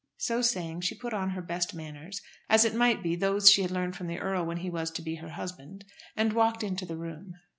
So saying, she put on her best manners, as it might be those she had learned from the earl when he was to be her husband, and walked into the room.